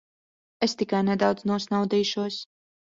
Es tikai nedaudz nosnaudīšos.